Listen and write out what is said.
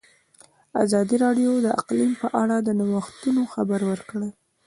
ازادي راډیو د اقلیم په اړه د نوښتونو خبر ورکړی.